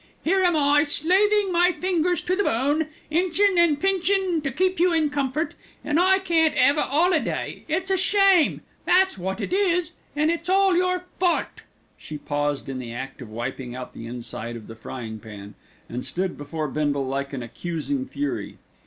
"Here am I, slavin' my fingers to the bone, inchin' and pinchin' to keep you in comfort, an' I can't 'ave a holiday. It's a shame, that's what it is, and it's all your fault." She paused in the act of wiping out the inside of the frying pan, and stood before Bindle like an accusing fury.